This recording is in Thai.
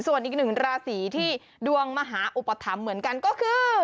ส่วนอีกหนึ่งราศีที่ดวงมหาอุปถัมภ์เหมือนกันก็คือ